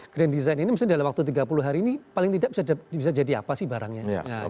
grand design ini misalnya dalam waktu tiga puluh hari ini paling tidak bisa jadi apa sih barangnya